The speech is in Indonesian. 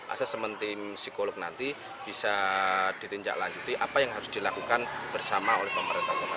asas sementim psikolog nanti bisa ditinjak lanjuti apa yang harus dilakukan bersama oleh pemerintah